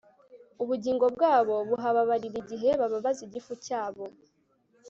ubugingo bwabo buhababarira igihe bababaza igifu cyabo